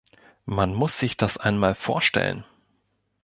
Man muss sich das einmal vorstellen!